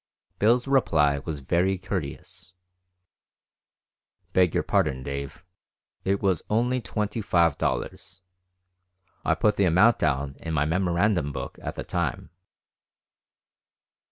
Bill's reply was very courteous: "Beg your pardon, Dave, it was only twenty five dollars; I put the amount down in my memorandum book at the time."